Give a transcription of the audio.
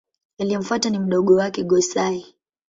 Aliyemfuata ni mdogo wake Go-Sai.